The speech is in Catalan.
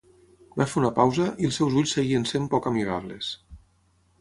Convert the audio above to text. Va fer una pausa, i els seus ulls seguien sent poc amigables.